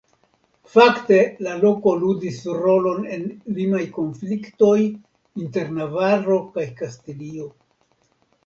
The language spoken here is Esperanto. Fakte la loko ludis rolon en limaj konfliktoj inter Navaro kaj Kastilio.